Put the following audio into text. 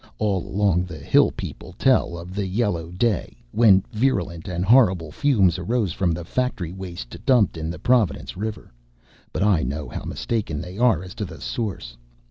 All along the hill people tell of the yellow day, when virulent and horrible fumes arose from the factory waste dumped in the Providence River, but I know how mistaken they are as to the source.